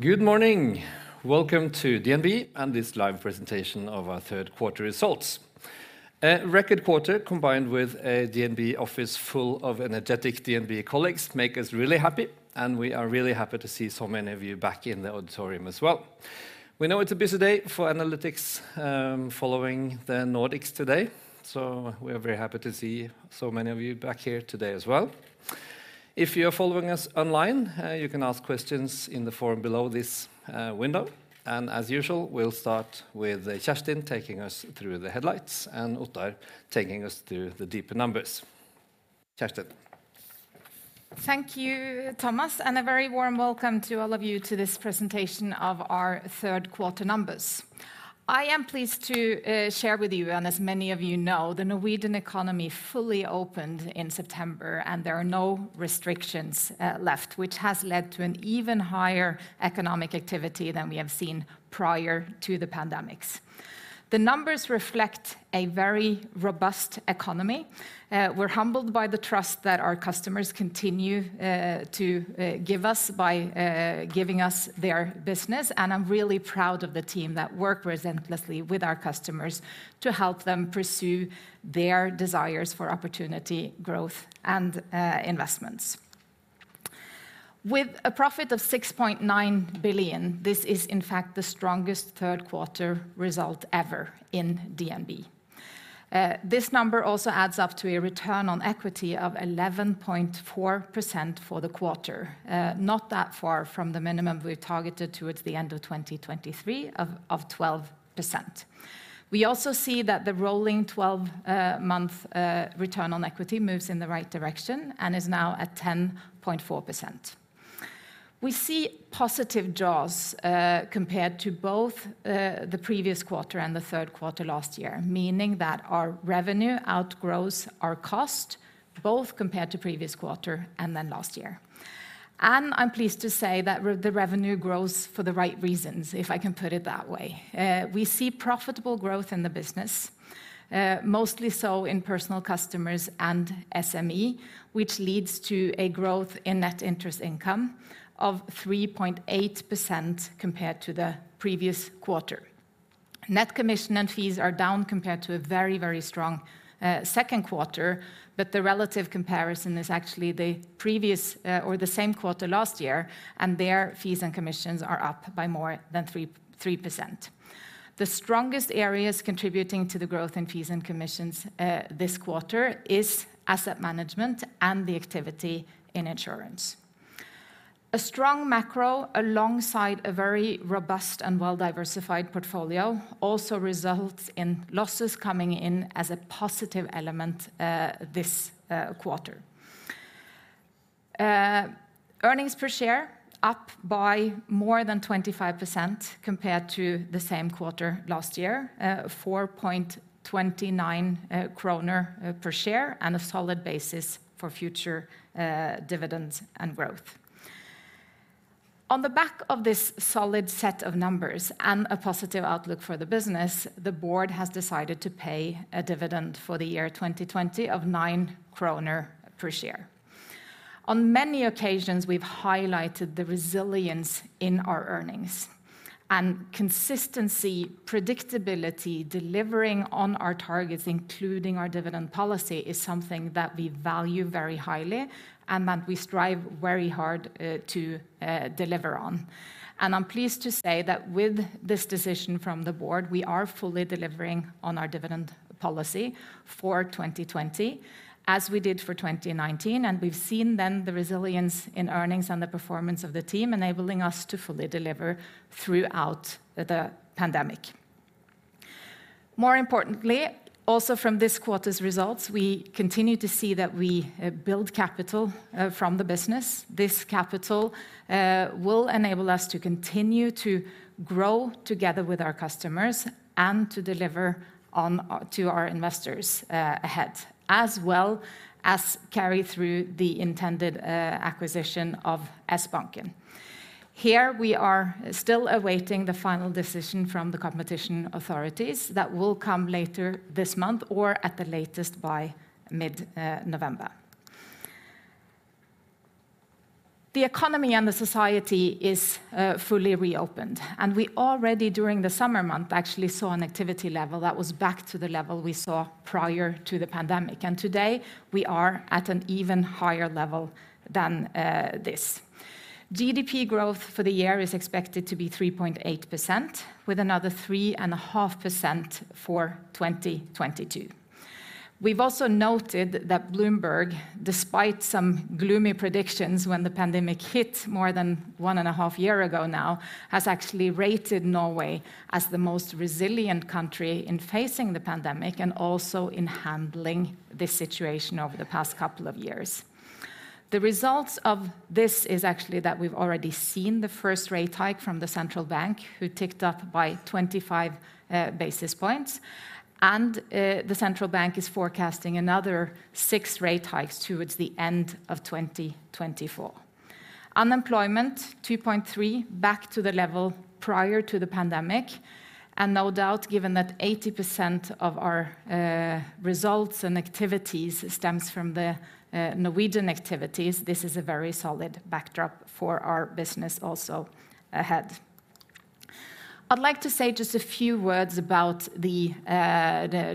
Good morning. Welcome to DNB and this live presentation of our third quarter results. A record quarter combined with a DNB office full of energetic DNB colleagues makes us really happy, and we are really happy to see so many of you back in the auditorium as well. We know it's a busy day for analysts following the Nordics today, so we are very happy to see so many of you back here today as well. If you are following us online, you can ask questions in the forum below this window. As usual, we'll start with Kjerstin taking us through the headlines, and Ottar taking us through the deeper numbers. Kjerstin. Thank you, Thomas, a very warm welcome to all of you to this presentation of our third quarter numbers. I am pleased to share with you, as many of you know, the Norwegian economy fully opened in September and there are no restrictions left, which has led to an even higher economic activity than we have seen prior to the pandemic. The numbers reflect a very robust economy. We're humbled by the trust that our customers continue to give us by giving us their business, I'm really proud of the team that worked relentlessly with our customers to help them pursue their desires for opportunity, growth, and investments. With a profit of 6.9 billion, this is in fact the strongest third quarter result ever in DNB. This number also adds up to a return on equity of 11.4% for the quarter. Not that far from the minimum we targeted towards the end of 2023 of 12%. We also see that the rolling 12-month return on equity moves in the right direction and is now at 10.4%. We see positive jaws, compared to both the previous quarter and the third quarter last year, meaning that our revenue outgrows our cost, both compared to the previous quarter and then last year. I'm pleased to say that the revenue grows for the right reasons, if I can put it that way. We see profitable growth in the business. Mostly so in personal customers and SME, which leads to a growth in net interest income of 3.8% compared to the previous quarter. Net commission and fees are down compared to a very strong second quarter, but the relative comparison is actually the same quarter last year, and their fees and commissions are up by more than 3%. The strongest areas contributing to the growth in fees and commissions this quarter is asset management and the activity in insurance. A strong macro alongside a very robust and well-diversified portfolio also results in losses coming in as a positive element this quarter. Earnings per share up by more than 25% compared to the same quarter last year, 4.29 kroner per share, and a solid basis for future dividends and growth. On the back of this solid set of numbers and a positive outlook for the business, the board has decided to pay a dividend for the year 2020 of 9 kroner per share. On many occasions, we've highlighted the resilience in our earnings. Consistency, predictability, delivering on our targets, including our dividend policy, is something that we value very highly and that we strive very hard to deliver on. I'm pleased to say that with this decision from the board, we are fully delivering on our dividend policy for 2020, as we did for 2019, and we've seen then the resilience in earnings and the performance of the team, enabling us to fully deliver throughout the pandemic. More importantly, also from this quarter's results, we continue to see that we build capital from the business. This capital will enable us to continue to grow together with our customers and to deliver to our investors ahead, as well as carry through the intended acquisition of Sbanken. Here, we are still awaiting the final decision from the competition authorities that will come later this month or at the latest by mid-November. The economy and the society is fully reopened, we already during the summer month actually saw an activity level that was back to the level we saw prior to the pandemic. Today we are at an even higher level than this. GDP growth for the year is expected to be 3.8%, with another 3.5% for 2022. We've also noted that Bloomberg, despite some gloomy predictions when the pandemic hit more than one and a half year ago now, has actually rated Norway as the most resilient country in facing the pandemic and also in handling this situation over the past couple of years. The results of this is actually that we've already seen the first rate hike from the central bank, who ticked up by 25 basis points, the central bank is forecasting another six rate hikes towards the end of 2024. Unemployment 2.3, back to the level prior to the pandemic. No doubt, given that 80% of our results and activities stems from the Norwegian activities, this is a very solid backdrop for our business also ahead. I'd like to say just a few words about the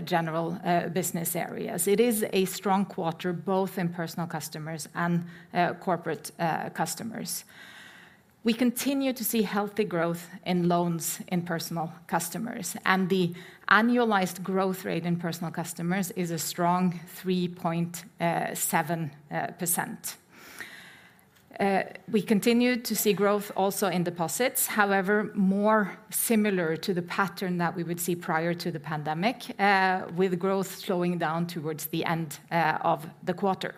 general business areas. It is a strong quarter, both in personal customers and corporate customers. We continue to see healthy growth in loans in personal customers. The annualized growth rate in personal customers is a strong 3.7%. We continue to see growth also in deposits, however, more similar to the pattern that we would see prior to the pandemic, with growth slowing down towards the end of the quarter.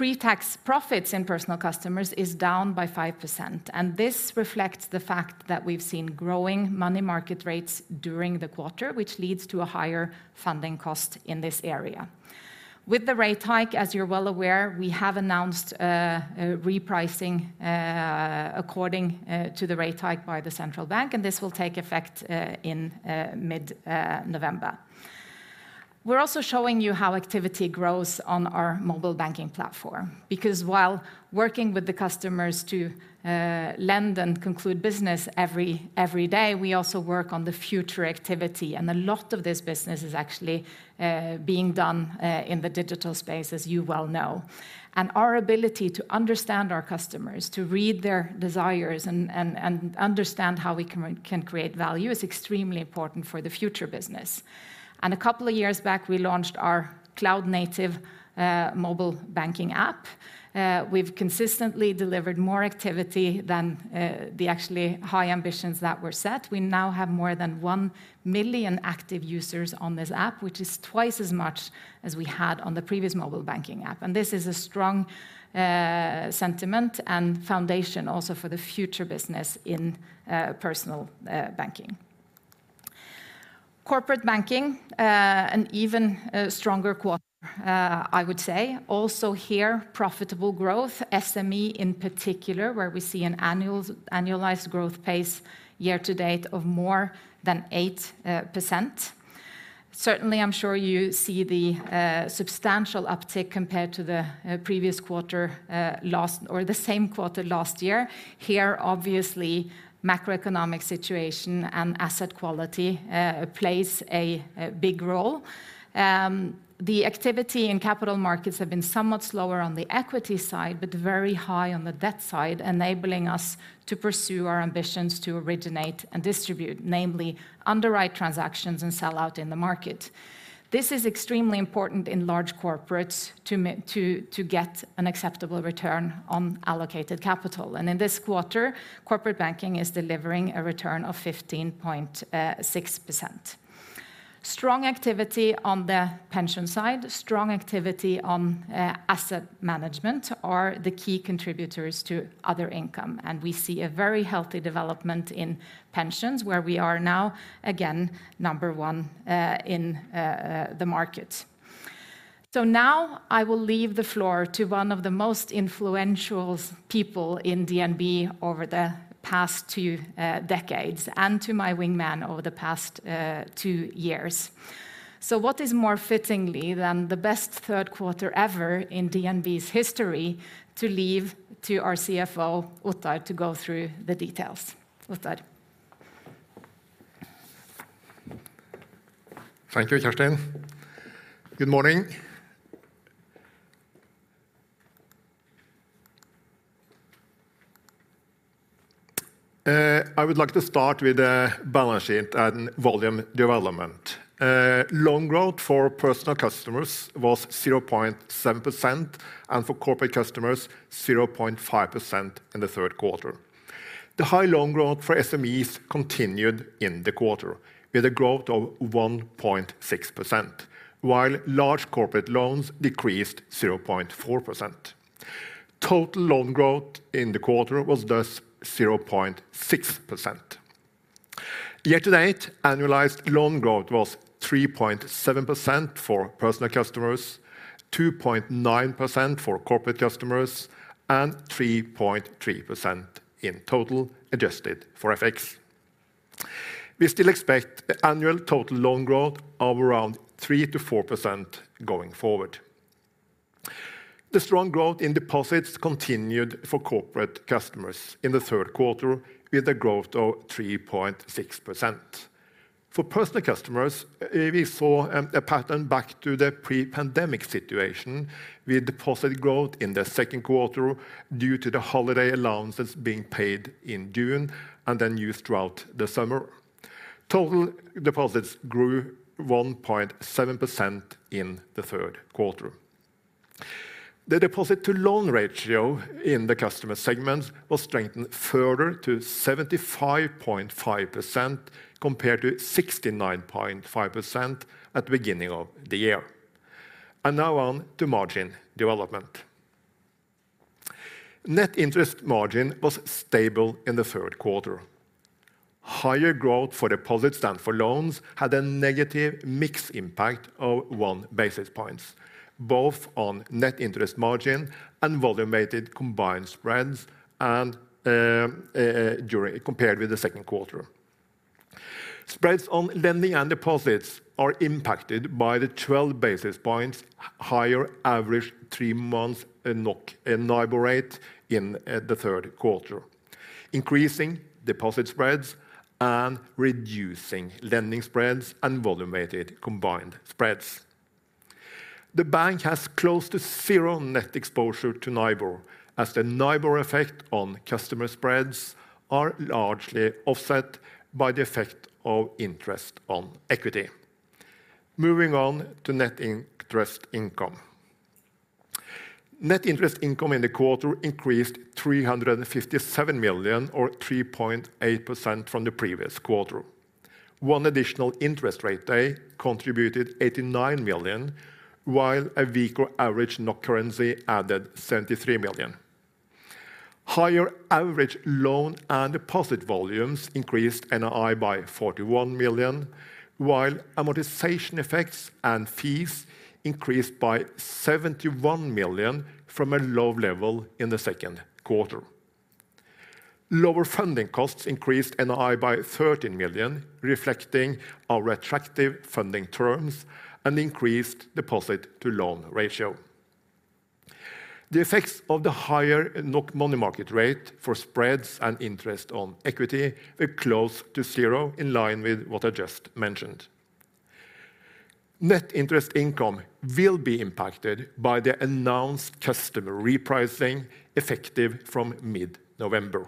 Pre-tax profits in personal customers is down by 5%. This reflects the fact that we've seen growing money market rates during the quarter, which leads to a higher funding cost in this area. With the rate hike, as you're well aware, we have announced a repricing according to the rate hike by the central bank, and this will take effect in mid-November. We're also showing you how activity grows on our mobile banking platform, because while working with the customers to lend and conclude business every day, we also work on the future activity. A lot of this business is actually being done in the digital space, as you well know. Our ability to understand our customers, to read their desires and understand how we can create value is extremely important for the future business. A couple of years back, we launched our cloud-native mobile banking app. We've consistently delivered more activity than the actually high ambitions that were set. We now have more than 1 million active users on this app, which is twice as much as we had on the previous mobile banking app. This is a strong sentiment and foundation also for the future business in personal banking. Corporate banking, an even stronger quarter, I would say. Also here, profitable growth, SME in particular, where we see an annualized growth pace year-to-date of more than 8%. Certainly, I'm sure you see the substantial uptick compared to the same quarter last year. Here, obviously, macroeconomic situation and asset quality plays a big role. The activity in capital markets have been somewhat slower on the equity side, but very high on the debt side, enabling us to pursue our ambitions to originate and distribute, namely underwrite transactions and sell out in the market. This is extremely important in large corporates to get an acceptable return on allocated capital. In this quarter, corporate banking is delivering a return of 15.6%. Strong activity on the pension side, strong activity on asset management are the key contributors to other income. We see a very healthy development in pensions where we are now, again, number one in the market. Now I will leave the floor to one of the most influential people in DNB over the past two decades and to my wingman over the past two years. What is more fittingly than the best third quarter ever in DNB's history to leave to our CFO, Ottar, to go through the details? Ottar. Thank you, Kjerstin. Good morning. I would like to start with the balance sheet and volume development. Loan growth for personal customers was 0.7%, and for corporate customers, 0.5% in the third quarter. The high loan growth for SMEs continued in the quarter with a growth of 1.6%, while large corporate loans decreased 0.4%. Total loan growth in the quarter was thus 0.6%. Year to date, annualized loan growth was 3.7% for personal customers, 2.9% for corporate customers, and 3.3% in total, adjusted for FX. We still expect annual total loan growth of around 3%-4% going forward. The strong growth in deposits continued for corporate customers in the third quarter with a growth of 3.6%. For personal customers, we saw a pattern back to the pre-pandemic situation with deposit growth in the second quarter due to the holiday allowances being paid in June and then used throughout the summer. Total deposits grew 1.7% in the third quarter. The deposit-to-loan ratio in the customer segments was strengthened further to 75.5%, compared to 69.5% at the beginning of the year. Now on to margin development. Net interest margin was stable in the third quarter. Higher growth for deposits than for loans had a negative mix impact of 1 basis point, both on net interest margin and volume-weighted combined spreads compared with the second quarter. Spreads on lending and deposits are impacted by the 12 basis points higher average three months NOK NIBOR rate in the third quarter, increasing deposit spreads and reducing lending spreads and volume-weighted combined spreads. The bank has close to zero net exposure to NIBOR, as the NIBOR effect on customer spreads are largely offset by the effect of interest on equity. Moving on to net interest income. Net interest income in the quarter increased 357 million or 3.8% from the previous quarter. One additional interest rate day contributed 89 million, while a weaker average NOK currency added 73 million. Higher average loan and deposit volumes increased NII by 41 million, while amortization effects and fees increased by 71 million from a low level in the second quarter. Lower funding costs increased NII by 13 million, reflecting our attractive funding terms and increased deposit-to-loan ratio. The effects of the higher NOK money market rate for spreads and interest on equity were close to zero, in line with what I just mentioned. Net interest income will be impacted by the announced customer repricing effective from mid-November.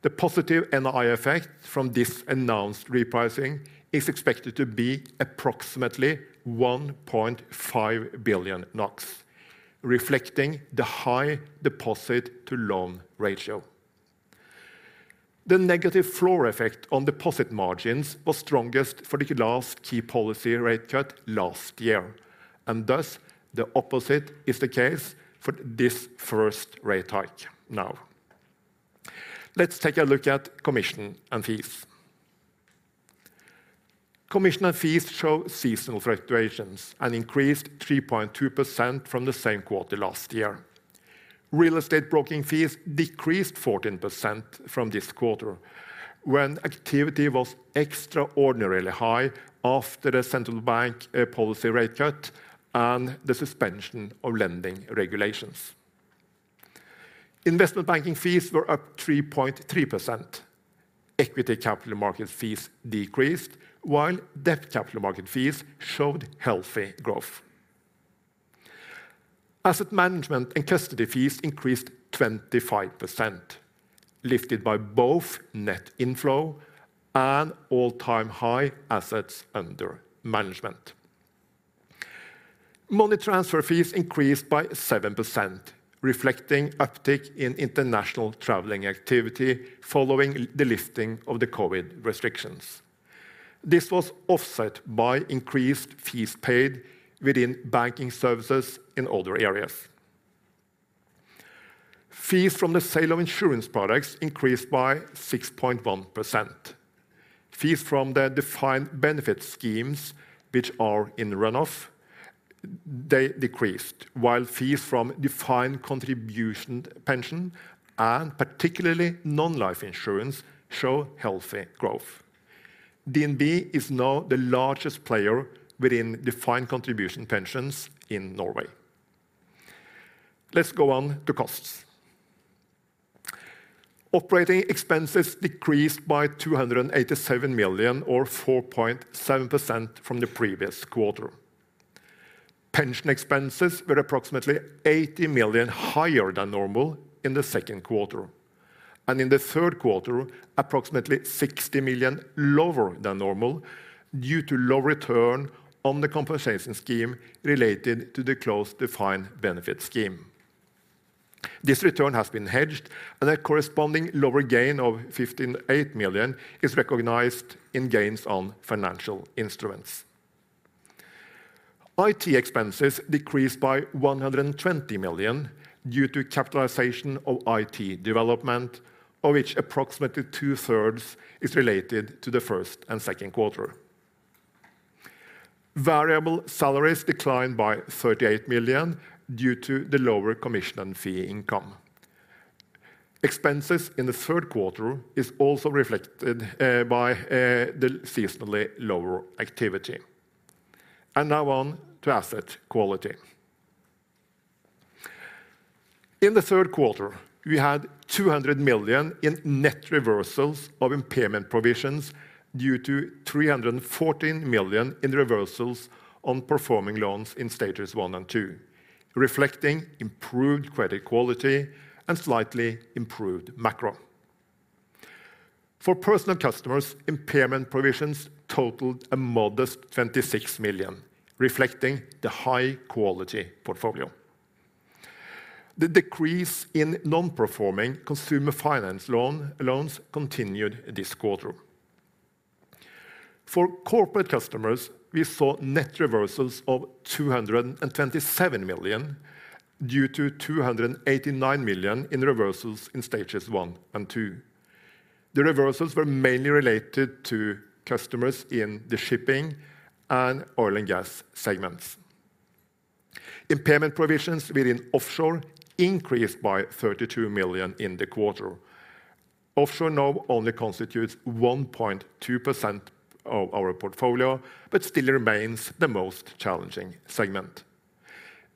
The positive NII effect from this announced repricing is expected to be approximately 1.5 billion NOK, reflecting the high deposit-to-loan ratio. The negative floor effect on deposit margins was strongest for the last key policy rate cut last year, and thus, the opposite is the case for this first rate hike now. Let's take a look at commission and fees. Commission and fees show seasonal fluctuations and increased 3.2% from the same quarter last year. Real estate broking fees decreased 14% from this quarter, when activity was extraordinarily high after the central bank policy rate cut and the suspension of lending regulations. Investment banking fees were up 3.3%. Equity capital market fees decreased, while debt capital market fees showed healthy growth. Asset management and custody fees increased 25%, lifted by both net inflow and all-time high assets under management. Money transfer fees increased by 7%, reflecting uptick in international traveling activity following the lifting of the COVID restrictions. This was offset by increased fees paid within banking services in other areas. Fees from the sale of insurance products increased by 6.1%. Fees from the defined benefit schemes, which are in runoff, they decreased, while fees from defined contribution pension and particularly non-life insurance show healthy growth. DNB is now the largest player within defined contribution pensions in Norway. Let's go on to costs. Operating expenses decreased by 287 million or 4.7% from the previous quarter. Pension expenses were approximately 80 million higher than normal in the second quarter, and in the third quarter, approximately 60 million lower than normal due to low return on the compensation scheme related to the closed defined benefit scheme. This return has been hedged and a corresponding lower gain of 58 million is recognized in gains on financial instruments. IT expenses decreased by 120 million due to capitalization of IT development, of which approximately two-thirds is related to the first and second quarter. Variable salaries declined by 38 million due to the lower commission and fee income. Expenses in the third quarter is also reflected by the seasonally lower activity. Now on to asset quality. In the third quarter, we had 200 million in net reversals of impairment provisions due to 314 million in reversals on performing loans in stages one and two, reflecting improved credit quality and slightly improved macro. For personal customers, impairment provisions totaled a modest 26 million, reflecting the high-quality portfolio. The decrease in non-performing consumer finance loans continued this quarter. For corporate customers, we saw net reversals of 227 million due to 289 million in reversals in stages one and two. The reversals were mainly related to customers in the shipping and oil and gas segments. Impairment provisions within offshore increased by 32 million in the quarter. Offshore now only constitutes 1.2% of our portfolio, but still remains the most challenging segment.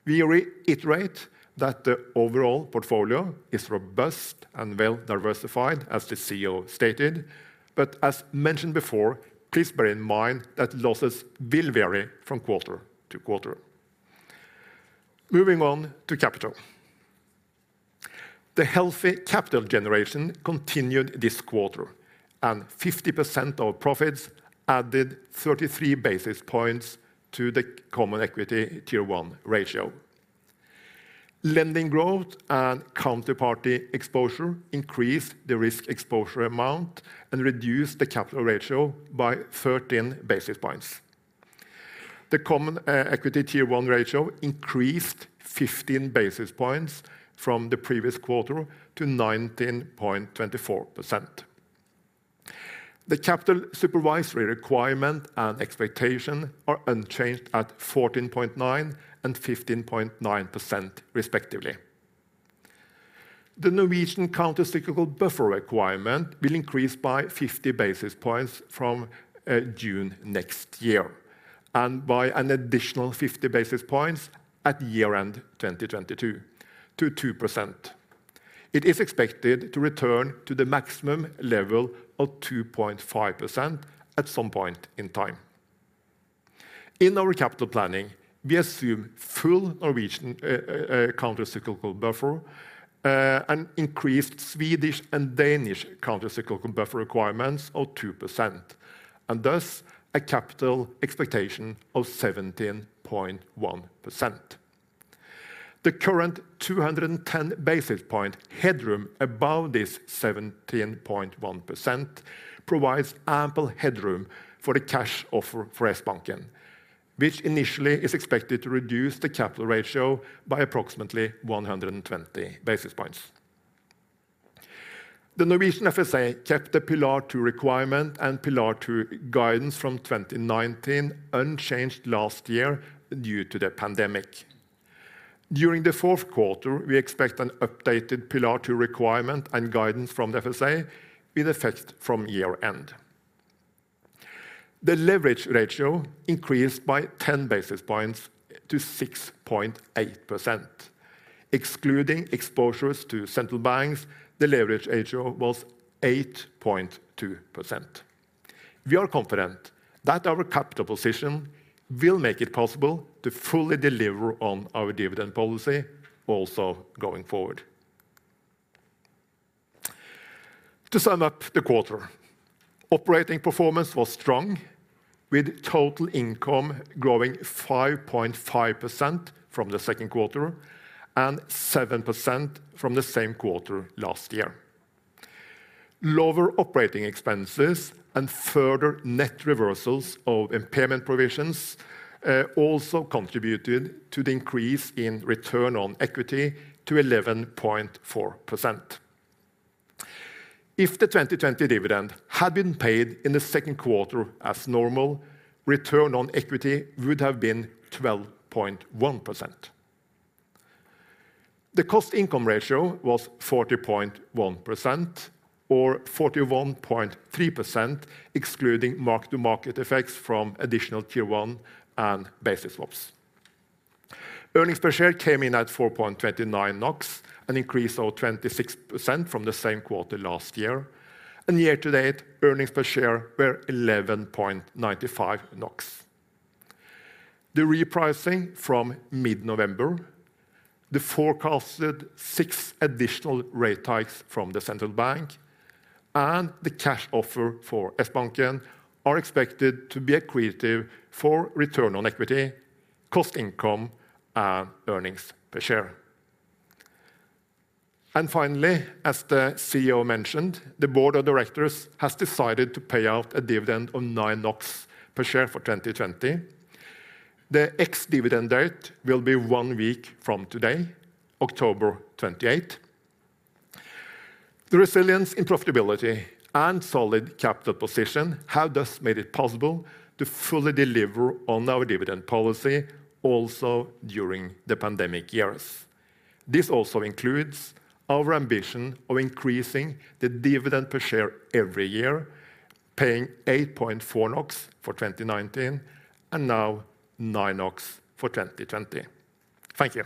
We reiterate that the overall portfolio is robust and well-diversified, as the CEO stated, but as mentioned before, please bear in mind that losses will vary from quarter-to-quarter. Moving on to capital. The healthy capital generation continued this quarter, and 50% of profits added 33 basis points to the Common Equity Tier 1 ratio. Lending growth and counterparty exposure increased the risk exposure amount and reduced the capital ratio by 13 basis points. The Common Equity Tier 1 ratio increased 15 basis points from the previous quarter to 19.24%. The capital supervisory requirement and expectation are unchanged at 14.9% and 15.9%, respectively. The Norwegian countercyclical buffer requirement will increase by 50 basis points from June next year, and by an additional 50 basis points at year-end 2022 to 2%. It is expected to return to the maximum level of 2.5% at some point in time. In our capital planning, we assume full Norwegian countercyclical buffer, and increased Swedish and Danish countercyclical buffer requirements of 2%, and thus a capital expectation of 17.1%. The current 210 basis point headroom above this 17.1% provides ample headroom for the cash offer for Sbanken, which initially is expected to reduce the capital ratio by approximately 120 basis points. The Norwegian FSA kept the Pillar 2 Requirement and Pillar 2 Guidance from 2019 unchanged last year due to the pandemic. During the fourth quarter, we expect an updated Pillar 2 Requirement and guidance from the FSA in effect from year-end. The leverage ratio increased by 10 basis points to 6.8%, excluding exposures to central banks, the leverage ratio was 8.2%. We are confident that our capital position will make it possible to fully deliver on our dividend policy also going forward. To sum up the quarter, operating performance was strong, with total income growing 5.5% from the second quarter and 7% from the same quarter last year. Lower operating expenses and further net reversals of impairment provisions also contributed to the increase in return on equity to 11.4%. If the 2020 dividend had been paid in the second quarter as normal, return on equity would have been 12.1%. The cost income ratio was 40.1%, or 41.3%, excluding mark-to-market effects from additional tier one and basis swaps. Earnings per share came in at 4.29 NOK, an increase of 26% from the same quarter last year, and year-to-date earnings per share were 11.95 NOK. The repricing from mid-November, the forecasted six additional rate hikes from the central bank, and the cash offer for Sbanken are expected to be accretive for return on equity, cost income, and earnings per share. Finally, as the CEO mentioned, the board of directors has decided to pay out a dividend of 9 NOK per share for 2020. The ex-dividend date will be one week from today, October 28th. The resilience in profitability and solid capital position have thus made it possible to fully deliver on our dividend policy also during the pandemic years. This also includes our ambition of increasing the dividend per share every year, paying 8.4 NOK for 2019, and now 9 NOK for 2020. Thank you.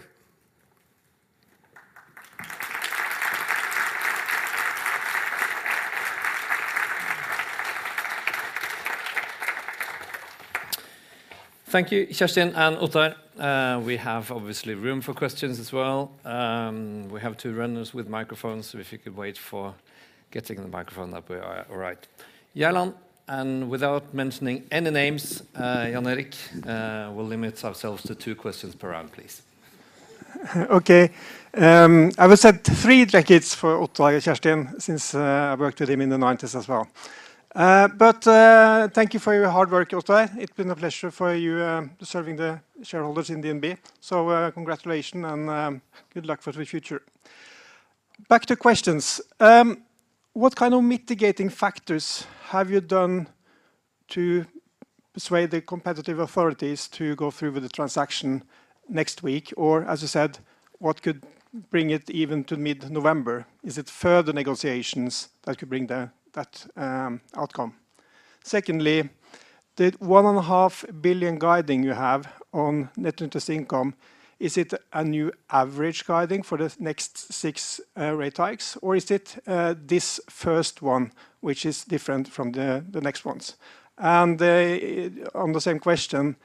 Thank you, Kjerstin and Ottar. We have obviously room for questions as well. We have two runners with microphones, so if you could wait for getting the microphone that'd be all right. Without mentioning any names, Jan-Erik, we'll limit ourselves to two questions per round, please. Okay. I will send three decades for Ottar and Kjerstin since I worked with him in the 1990s as well. Thank you for your hard work, Ottar. It's been a pleasure for you serving the shareholders in DNB. Congratulations and good luck for the future. Back to questions. What kind of mitigating factors have you done to persuade the competitive authorities to go through with the transaction next week, or as you said, what could bring it even to mid-November? Is it further negotiations that could bring that outcome? Secondly, the 1.5 billion guiding you have on net interest income, is it a new average guiding for the next six rate hikes, or is it this first one, which is different from the next ones? On the same question,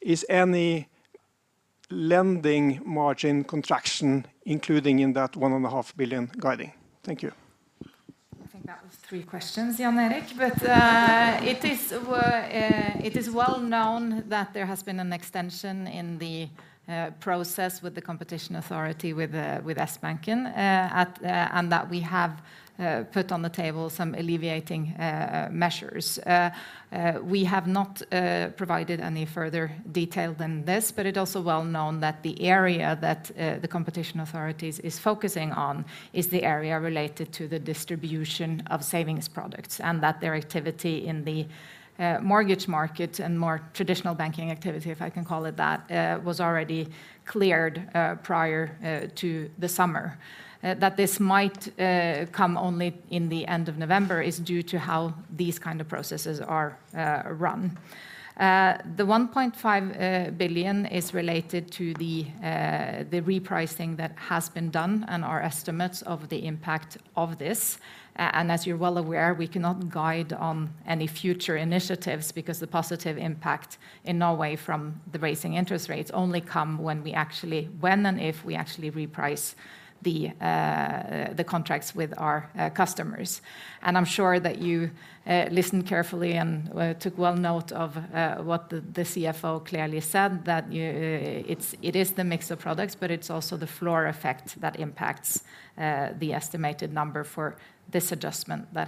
is any lending margin contraction including in that 1.5 billion guiding? Thank you. I think that was three questions, Jan Erik. It is well known that there has been an extension in the process with the competition authority with Sbanken,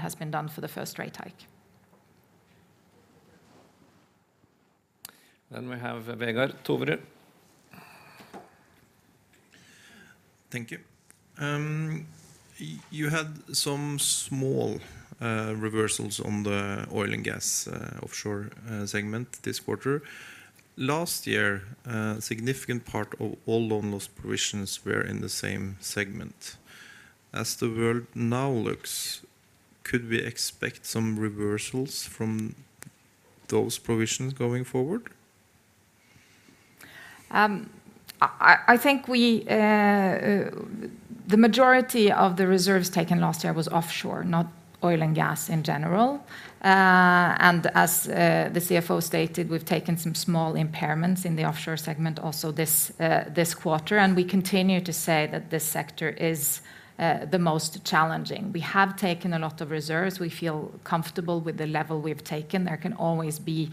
has been done for the first rate hike. We have Vegard Toverud. Thank you. You had some small reversals on the oil and gas offshore segment this quarter. Last year, a significant part of all loan loss provisions were in the same segment. As the world now looks, could we expect some reversals from those provisions going forward? I think the majority of the reserves taken last year was offshore, not oil and gas in general. As the CFO stated, we've taken some small impairments in the offshore segment also this quarter, and we continue to say that this sector is the most challenging. We have taken a lot of reserves. We feel comfortable with the level we've taken. There can always be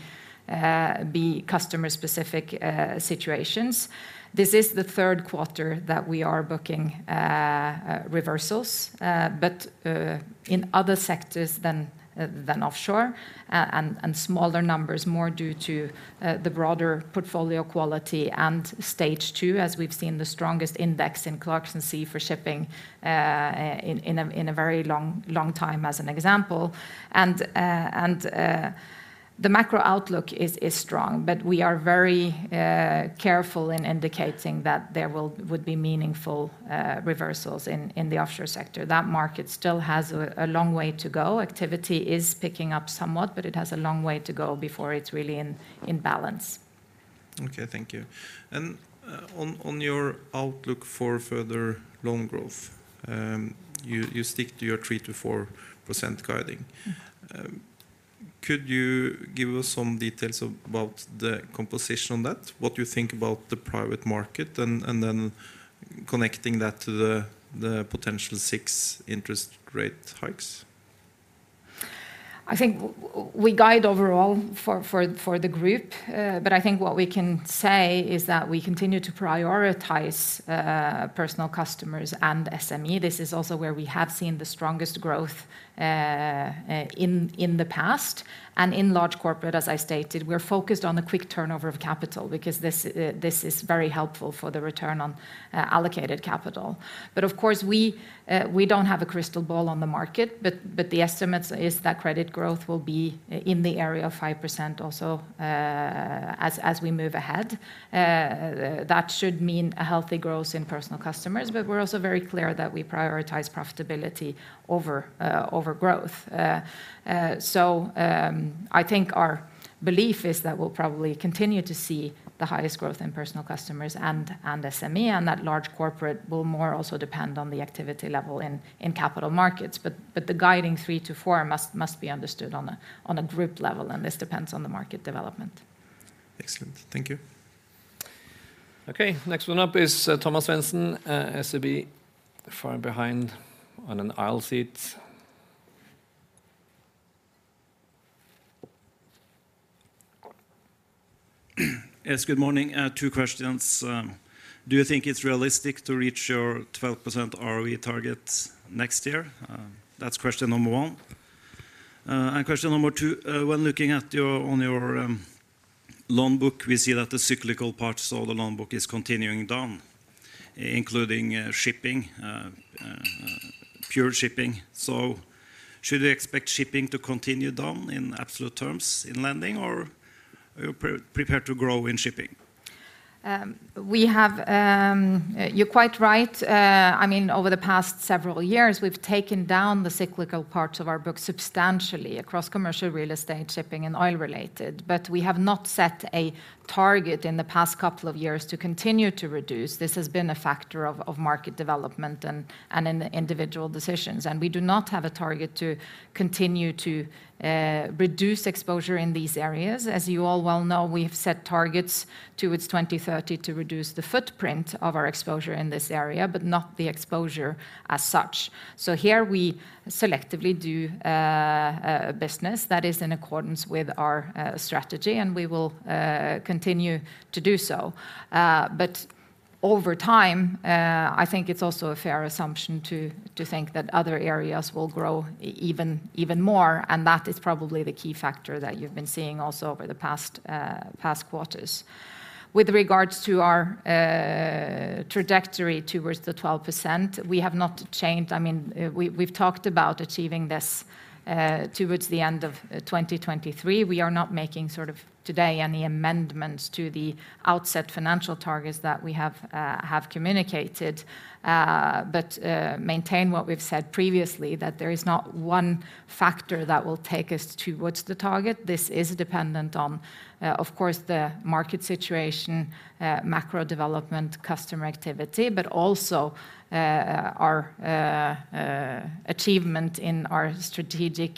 customer-specific situations. This is the third quarter that we are booking reversals, but in other sectors than offshore, and smaller numbers, more due to the broader portfolio quality and stage two, as we've seen the strongest index in ClarkSea Index for shipping in a very long time, as an example. The macro outlook is strong, but we are very careful in indicating that there would be meaningful reversals in the offshore sector. That market still has a long way to go. Activity is picking up somewhat, but it has a long way to go before it's really in balance. Okay. Thank you. On your outlook for further loan growth, you stick to your 3%-4% guiding. Could you give us some details about the composition on that, what you think about the private market, and then connecting that to the potential six interest rate hikes? I think we guide overall for the group, but I think what we can say is that we continue to prioritize personal customers and SME. This is also where we have seen the strongest growth in the past. In large corporate, as I stated, we're focused on the quick turnover of capital because this is very helpful for the return on allocated capital. Of course, we don't have a crystal ball on the market, but the estimate is that credit growth will be in the area of 5% also as we move ahead. That should mean a healthy growth in personal customers. We're also very clear that we prioritize profitability over growth. I think our belief is that we'll probably continue to see the highest growth in personal customers and SME, and that large corporate will more also depend on the activity level in capital markets. The guiding 3%-4% must be understood on a group level, and this depends on the market development. Excellent. Thank you. Okay, next one up is Thomas Svendsen, SEB, far behind on an aisle seat. Yes, good morning. Two questions. Do you think it's realistic to reach your 12% ROE target next year? That's question number one. Question number two, when looking on your loan book, we see that the cyclical parts of the loan book is continuing down, including shipping, pure shipping. Should we expect shipping to continue down in absolute terms in lending, or are you prepared to grow in shipping? You're quite right. Over the past several years, we've taken down the cyclical parts of our book substantially across commercial real estate, shipping, and oil related, but we have not set a target in the past couple of years to continue to reduce. This has been a factor of market development and in the individual decisions. We do not have a target to continue to reduce exposure in these areas. As you all well know, we've set targets towards 2030 to reduce the footprint of our exposure in this area, but not the exposure as such. Here we selectively do business that is in accordance with our strategy, and we will continue to do so. Over time, I think it's also a fair assumption to think that other areas will grow even more, and that is probably the key factor that you've been seeing also over the past quarters. With regards to our trajectory towards the 12%, we have not changed. We've talked about achieving this towards the end of 2023. We are not making any amendments today to the outset financial targets that we have communicated. Maintain what we've said previously, that there is not one factor that will take us towards the target. This is dependent on the market situation, macro development, customer activity, but also our achievement in our strategic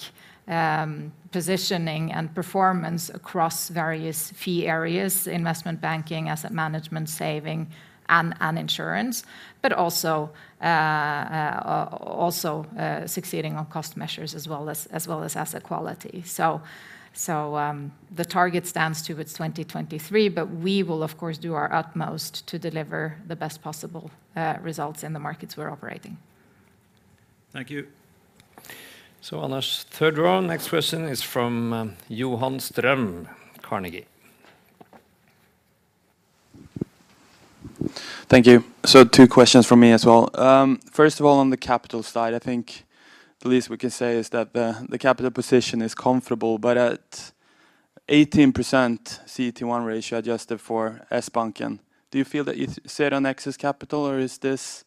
positioning and performance across various fee areas, investment banking, asset management, saving, and insurance, but also succeeding on cost measures as well as asset quality. The target stands towards 2023, but we will of course do our utmost to deliver the best possible results in the markets we're operating. Thank you. On our third row. Next question is from Johan Ström, Carnegie. Thank you. Two questions from me as well. First of all, on the capital side, I think the least we can say is that the capital position is comfortable, but at 18% CET1 ratio adjusted for Sbanken, do you feel that you sit on excess capital or is this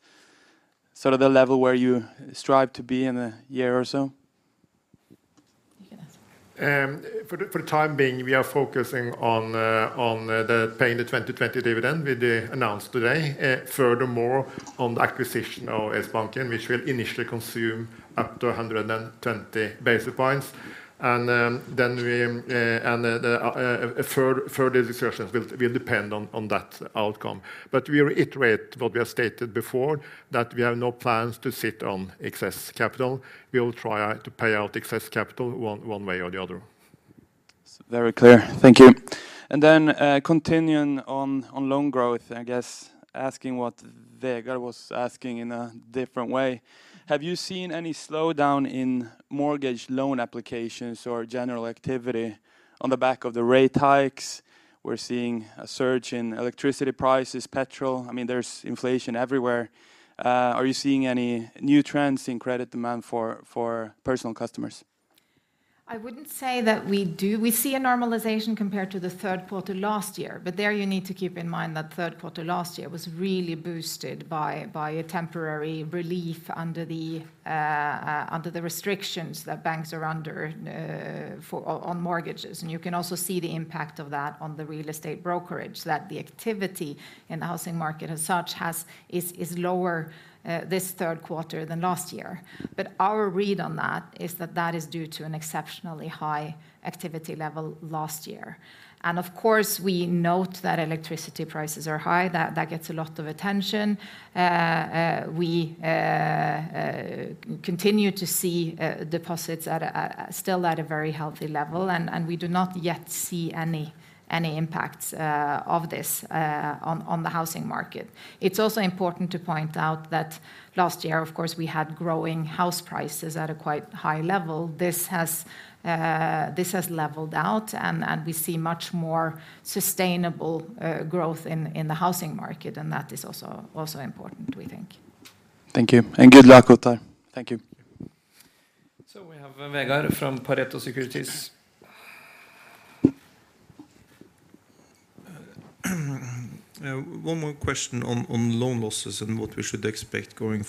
the level where you strive to be in a year or so? You can answer. For the time being, we are focusing on paying the 2020 dividend we announced today. Furthermore, on the acquisition of Sbanken, which will initially consume up to 120 basis points, and further discussions will depend on that outcome. We reiterate what we have stated before, that we have no plans to sit on excess capital. We will try to pay out excess capital one way or the other. Very clear. Thank you. Then continuing on loan growth, I guess asking what Vegard was asking in a different way. Have you seen any slowdown in mortgage loan applications or general activity on the back of the rate hikes? We're seeing a surge in electricity prices, petrol. There's inflation everywhere. Are you seeing any new trends in credit demand for personal customers? I wouldn't say that we do. We see a normalization compared to the third quarter last year, there you need to keep in mind that third quarter last year was really boosted by a temporary relief under the restrictions that banks are under on mortgages. You can also see the impact of that on the real estate brokerage, that the activity in the housing market as such is lower this third quarter than last year. Our read on that is that that is due to an exceptionally high activity level last year. Of course, we note that electricity prices are high. That gets a lot of attention. We continue to see deposits still at a very healthy level, and we do not yet see any impacts of this on the housing market. It's also important to point out that last year, of course, we had growing house prices at a quite high level. This has leveled out, and we see much more sustainable growth in the housing market, and that is also important, we think. Thank you. Good luck with that. Thank you. We have Vegard from Pareto Securities. One more question on loan losses and what we should expect going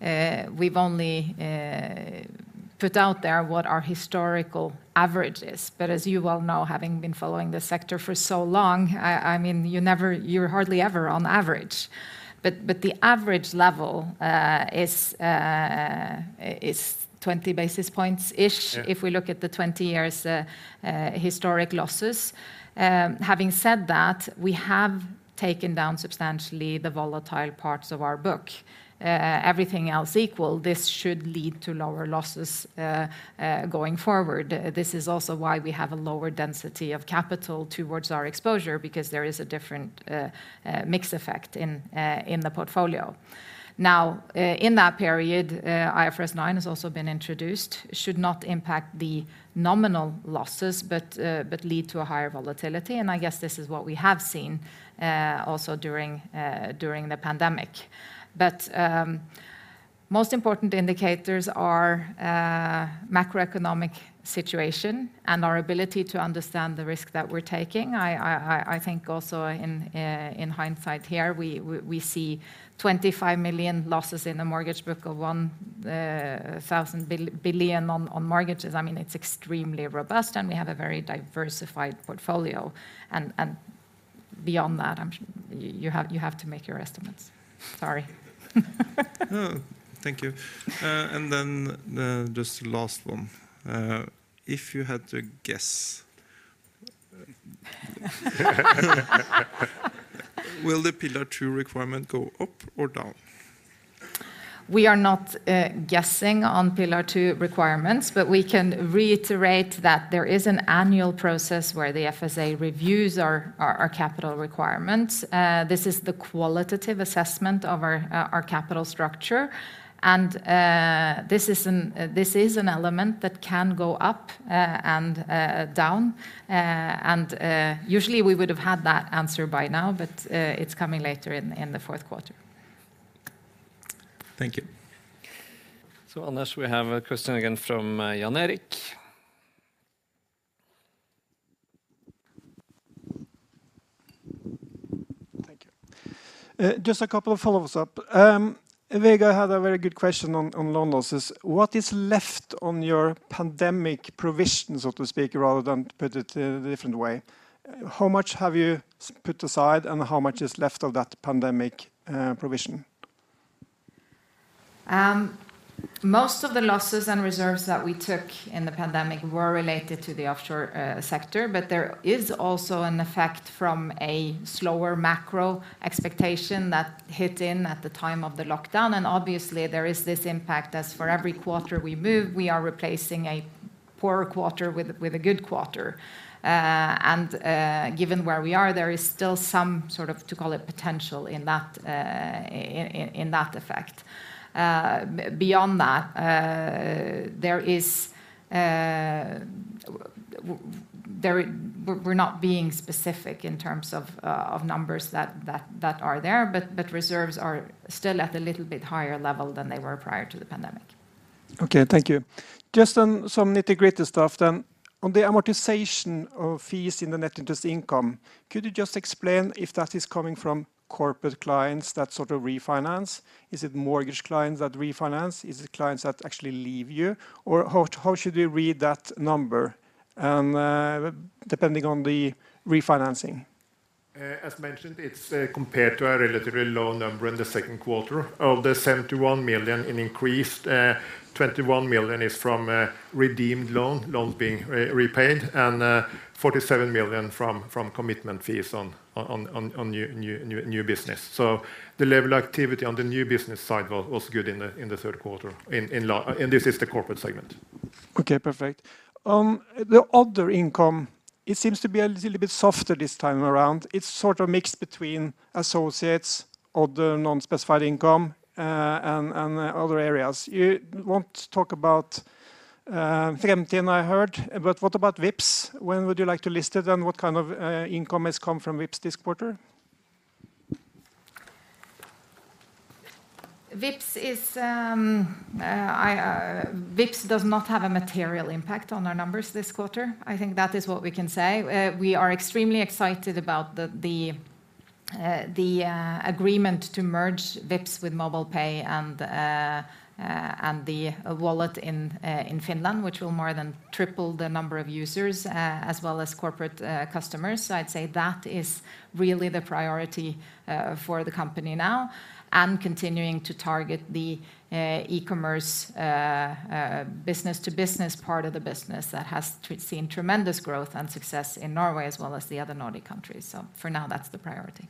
forward. If we look at the last couple of years, loan losses have been impressively low. What is your expectation for loan losses going forward? We have not- That's right. Guided on loan losses, Vegard. We've only put out there what our historical average is. As you well know, having been following this sector for so long, you're hardly ever on average. The average level is 20 basis points-ish if we look at the 20 years historic losses. Having said that, we have taken down substantially the volatile parts of our book. Everything else equal, this should lead to lower losses going forward. This is also why we have a lower density of capital towards our exposure because there is a different mix effect in the portfolio. Now, in that period, IFRS 9 has also been introduced, should not impact the nominal losses but lead to a higher volatility, and I guess this is what we have seen also during the pandemic. Most important indicators are macroeconomic situation and our ability to understand the risk that we're taking. I think also in hindsight here, we see 25 million losses in the mortgage book of 1,000 billion on mortgages. It's extremely robust, and we have a very diversified portfolio. Beyond that, you have to make your estimates. Sorry. Thank you. Just the last one. If you had to guess will the Pillar 2 Requirement go up or down? We are not guessing on Pillar 2 Requirements, but we can reiterate that there is an annual process where the FSA reviews our capital requirements. This is the qualitative assessment of our capital structure. This is an element that can go up and down. Usually we would have had that answer by now, but it's coming later in the fourth quarter. Thank you. Unless we have a question again from Jan-Erik. Thank you. Just a couple of follow-ups up. Vegard had a very good question on loan losses. What is left on your pandemic provisions, so to speak, rather than put it a different way? How much have you put aside and how much is left of that pandemic provision? Most of the losses and reserves that we took in the pandemic were related to the offshore sector, but there is also an effect from a slower macro expectation that hit in at the time of the lockdown. Obviously there is this impact as for every quarter we move, we are replacing a poor quarter with a good quarter. Given where we are, there is still some sort of, to call it potential, in that effect. Beyond that, we're not being specific in terms of numbers that are there, but reserves are still at a little bit higher level than they were prior to the pandemic. Okay, thank you. Just on some nitty-gritty stuff then. On the amortization of fees in the net interest income, could you just explain if that is coming from corporate clients that sort of refinance? Is it mortgage clients that refinance? Is it clients that actually leave you? How should we read that number depending on the refinancing? As mentioned, it's compared to a relatively low number in the second quarter. Of the 71 million in increased, 21 million is from a redeemed loan, loans being repaid, and 47 million from commitment fees on new business. The level activity on the new business side was good in the third quarter, and this is the corporate segment. Perfect. The other income, it seems to be a little bit softer this time around. It's sort of mixed between associates, other non-specified income, and other areas. You won't talk about I heard, what about Vipps? When would you like to list it, what kind of income has come from Vipps this quarter? Vipps does not have a material impact on our numbers this quarter. I think that is what we can say. We are extremely excited about the agreement to merge Vipps with MobilePay and the wallet in Finland, which will more than triple the number of users as well as corporate customers. I'd say that is really the priority for the company now, and continuing to target the e-commerce business to business part of the business that has seen tremendous growth and success in Norway as well as the other Nordic countries. For now, that's the priority.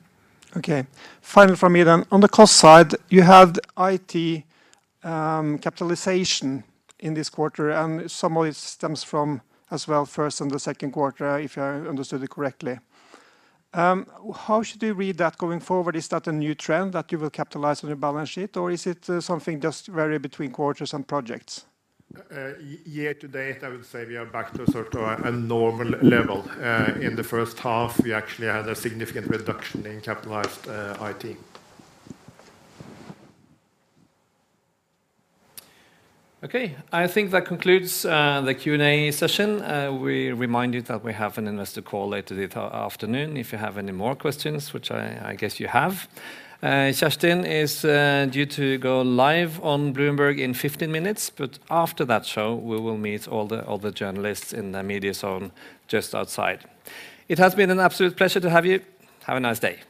Okay. Final from me then. On the cost side, you had IT capitalization in this quarter and some of it stems from as well first and the second quarter, if I understood it correctly. How should we read that going forward? Is that a new trend that you will capitalize on your balance sheet, or is it something just vary between quarters and projects? Year to date, I would say we are back to a normal level. In the first half, we actually had a significant reduction in capitalized IT. Okay. I think that concludes the Q&A session. We remind you that we have an investor call later this afternoon if you have any more questions, which I guess you have. Kjerstin is due to go live on Bloomberg in 15 minutes, but after that show, we will meet all the journalists in the media zone just outside. It has been an absolute pleasure to have you. Have a nice day. Thank you.